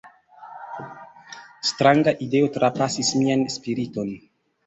Stranga ideo trapasis mian spiriton.